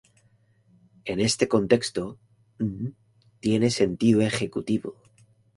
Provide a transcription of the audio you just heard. En este contexto, 조 tiene sentido ejecutivo.